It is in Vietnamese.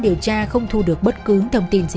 điều tra không thu được bất cứ thông tin gì